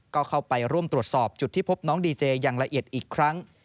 ก็เข้าไปร่วมตรวจสอบจุดที่พบน้องดีเจอย่างละเอียดอีกครั้ง